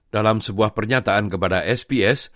dalam sebuah pernyataan kepada sps